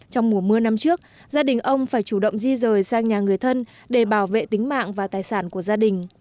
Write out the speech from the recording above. trong mùa mưa năm trước gia đình ông phải chủ động di rời sang nhà người thân để bảo vệ tính mạng và tài sản của gia đình